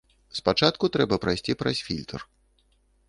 Спачатку трэба прайсці праз фільтр.